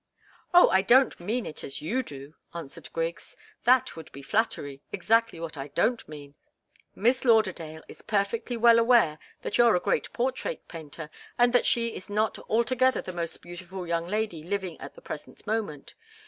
"Oh, I don't mean it as you do," answered Griggs. "That would be flattery exactly what I don't mean. Miss Lauderdale is perfectly well aware that you're a great portrait painter and that she is not altogether the most beautiful young lady living at the present moment.